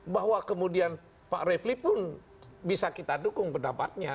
bahwa kemudian pak refli pun bisa kita dukung pendapatnya